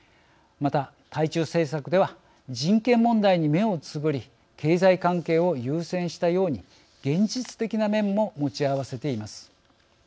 また、対中政策では人権問題に目をつぶり経済関係を優先したように現実的な面も持ちあわせています。